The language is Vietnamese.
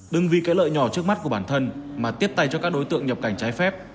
đừng vì cái lợi nhỏ trước mắt của bản thân mà tiếp tay cho các đối tượng nhập cảnh trái phép